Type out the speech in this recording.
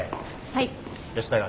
はい。